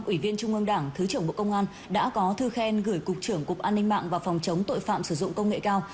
ủy viên trung ương đảng thứ trưởng bộ công an đã có thư khen gửi cục trưởng cục an ninh mạng và phòng chống tội phạm sử dụng công nghệ cao